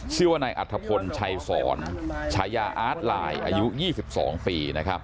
ชื่อว่านายอัธพลชัยสอนฉายาอาร์ตไลน์อายุ๒๒ปี